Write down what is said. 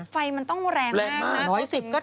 แสดงว่าไฟมันต้องแรงมากนะผมจะแรงแรงมาก